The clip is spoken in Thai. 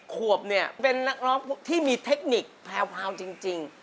ขวบเนี่ยเป็นนักร้องที่มีเทคนิคแพรวจริง